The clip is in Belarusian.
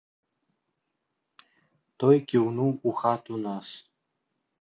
Той кіўнуў у хату нас.